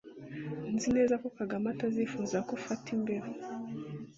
Nzi neza ko Kagame atazifuza ko ufata imbeho